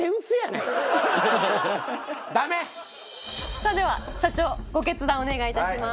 さぁでは社長ご決断お願いいたします。